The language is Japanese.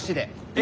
え？